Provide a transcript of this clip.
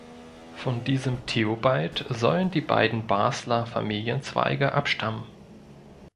Von diesem Theobald sollen die beiden Basler Familienzweige abstammen.